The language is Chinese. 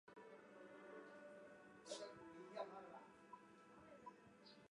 张黄二人之部队趁机控制了广州。